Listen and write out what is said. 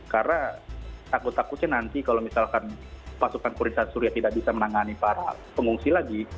karena takut takutnya nanti kalau misalkan pasukan kurinsan suria tidak bisa menangani para pengungsi lagi